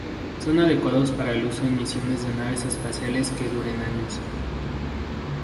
Son adecuados para el uso en misiones de naves espaciales que duren años.